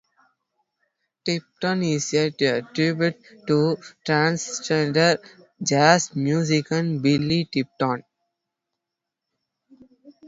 "Tipton" is a tribute to transgender jazz musician Billy Tipton.